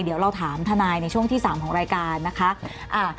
เดี๋ยวเราถามทนายในช่วงที่๓ของรายการนะคะ